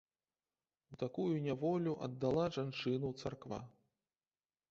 У такую няволю аддала жанчыну царква.